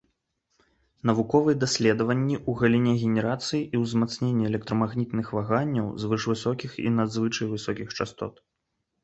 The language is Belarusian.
Навуковыя даследаванні ў галіне генерацыі і ўзмацнення электрамагнітных ваганняў звышвысокіх і надзвычай высокіх частот.